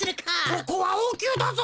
ここはおうきゅうだぞ！